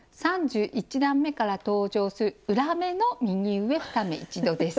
３１段めから登場する裏目の「右上２目一度」です。